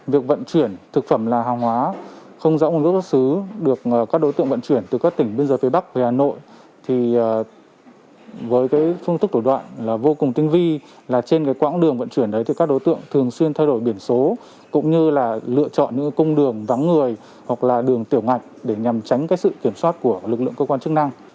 việc vận chuyển thực phẩm là hàng hóa không rõ nguồn gốc xuất xứ được các đối tượng vận chuyển từ các tỉnh biên giới phía bắc về hà nội thì với cái phương thức đổi đoạn là vô cùng tinh vi là trên cái quãng đường vận chuyển đấy thì các đối tượng thường xuyên thay đổi biển số cũng như là lựa chọn những công đường vắng người hoặc là đường tiểu ngạch để nhằm tránh cái sự kiểm soát của lực lượng cơ quan chức năng